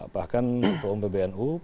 bahkan bum pbnu